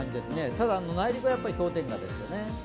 ただ内陸はやっぱり氷点下ですよね。